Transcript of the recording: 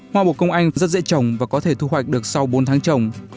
hoa bộ công anh rất dễ trồng và có thể thu hoạch được sau bốn tháng trồng